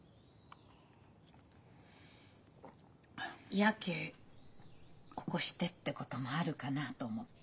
ヤケ起こしてってこともあるかなあと思って。